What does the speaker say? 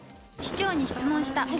市長に質問した。